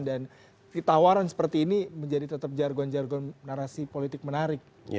dan tawaran seperti ini menjadi tetap jargon jargon narasi politik menarik